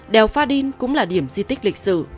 đèo pha đin cũng là điểm di tích lịch sử